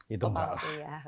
itu nggak lah